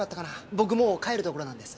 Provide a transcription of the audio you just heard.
僕もう帰るところなんです。